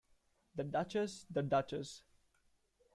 The Duchess, the Duchess!